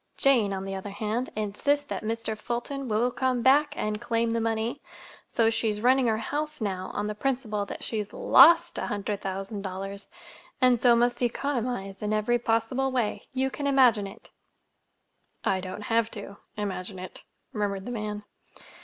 Jane, on the other hand, insists that Mr. Fulton will come back and claim the money, so she's running her house now on the principle that she's lost a hundred thousand dollars, and so must economize in every possible way. You can imagine it!" "I don't have to—imagine it," murmured the man.